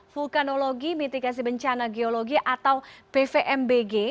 vulkanologi mitigasi bencana geologi atau pvmbg